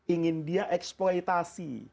ingin dia eksploitasi